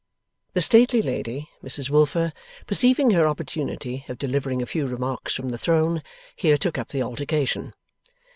The stately lady, Mrs Wilfer, perceiving her opportunity of delivering a few remarks from the throne, here took up the altercation.